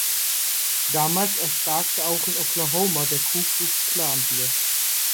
Damals erstarkte auch in Oklahoma der Ku-Klux-Klan wieder.